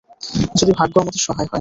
যদি ভাগ্য আমাদের সহায় হয়।